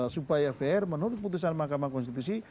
supaya fair menurut putusan mahkamah konstitusi